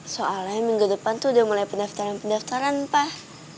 soalnya minggu depan tuh udah mulai pendaftaran pendaftaran pak